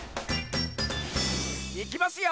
いきますよ！